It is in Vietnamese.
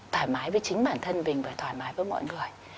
thoải mái với chính bản thân mình và thoải mái với mọi người